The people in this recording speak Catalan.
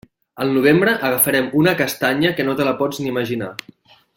Al novembre agafarem una castanya que no te la pots ni imaginar.